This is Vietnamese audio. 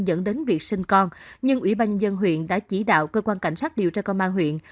dẫn đến việc sinh con nhưng ủy ban nhân dân huyện đã chỉ đạo cơ quan cảnh sát điều tra công an huyện